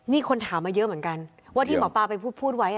นี่คนถามมาเยอะเหมือนกันว่าที่หมอปลาไปพูดไว้